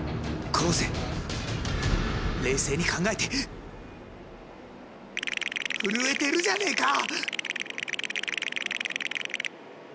昴生冷静に考えて震えてるじゃねか。